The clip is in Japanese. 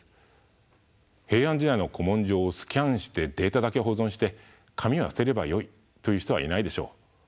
平安時代の古文書をスキャンしてデータだけ保存して紙は捨てればよいという人はいないでしょう。